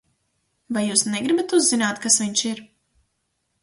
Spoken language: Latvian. Vai Jūs negribat uzzināt, kas viņš ir?